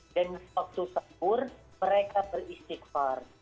dan waktu sahur mereka beristighfar